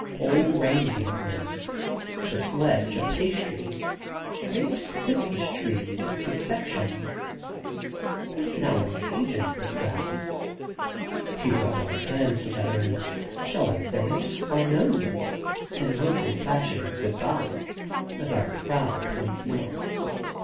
Whole reindeer rigs, the sledge a pastry; great Christmas trees are confections. This now engages the crowds. We rub our hands together, and, shall I say it, our noses, in local fashion of "good bye," as our prow points north.